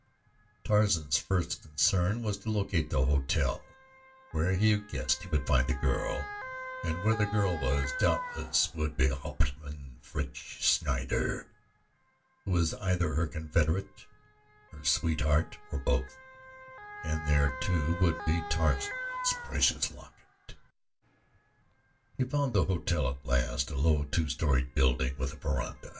Tarzan's first concern was to locate the hotel, for here he guessed he would find the girl, and where the girl was doubtless would be Hauptmann Fritz Schneider, who was either her confederate, her sweetheart, or both, and there, too, would be Tarzan's precious locket. He found the hotel at last, a low, two storied building with a veranda.